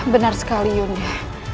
benar sekali yunda